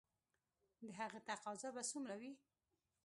د هغه تقاضا به څومره وي؟